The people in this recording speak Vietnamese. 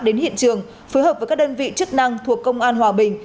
đến hiện trường phối hợp với các đơn vị chức năng thuộc công an hòa bình